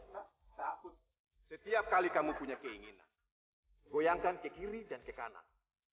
kalian takut setiap kali kamu punya keinginan goyangkan kekili dan kekanan